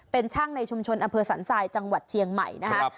เป็นช่างในชุมชนอำเภอสันทรายจังหวัดเชียงใหม่นะครับ